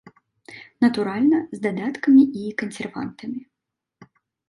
Натуральна, з дадаткамі і кансервантамі.